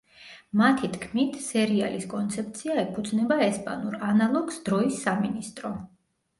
მათი თქმით, სერიალის კონცეფცია ეფუძნება ესპანურ ანალოგს „დროის სამინისტრო“.